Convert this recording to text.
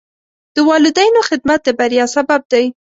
د والدینو خدمت د بریا سبب دی.